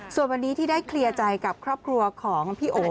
ส่วนวันนี้ที่ได้เคลียร์ใจกับครอบครัวของพี่โอ๋